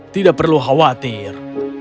tidak perlu khawatir